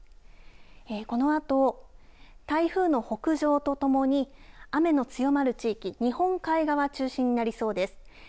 このあと台風の北上とともに、雨の強まる地域、日本海側中心になりそうです。